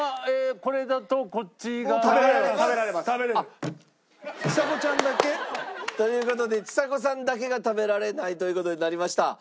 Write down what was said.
ちさ子ちゃんだけ。という事でちさ子さんだけが食べられないという事になりました。